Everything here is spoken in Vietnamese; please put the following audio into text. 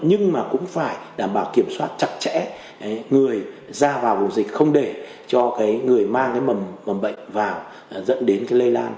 nhưng mà cũng phải đảm bảo kiểm soát chặt chẽ người ra vào vùng dịch không để cho cái người mang cái mầm bệnh vào dẫn đến cái lây lan